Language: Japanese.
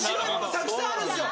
たくさんあるんですよ。